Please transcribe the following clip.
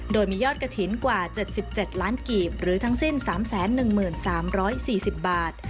โดยมียอดกระถิ่นกว่า๗๗ล้านกีบหรือทั้งสิ้น๓๑๓๔๐บาท